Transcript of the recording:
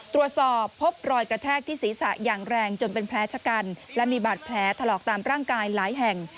ตรวจสอบพบรอยกระแทกที่ศีรษะอย่างแรงจนเป็นแผลชะกันและมีบาดแผลถลอกตามร่างกายหลายแห่ง